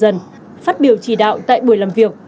trong bảy tháng đầu năm nay phát biểu chỉ đạo tại buổi làm việc